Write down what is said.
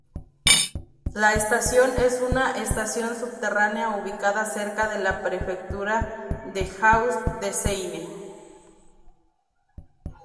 La estación es una estación subterránea ubicada cerca de la prefectura de Hauts-de-Seine.